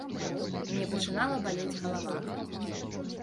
Мне пачынала балець галава.